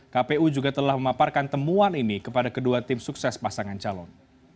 kpu juga telah memaparkan temuan ini kepada kedua tim sukses pasangan calon